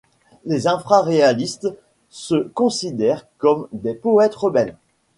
Les infraréalistes se considèrent comme des poètes rebelles.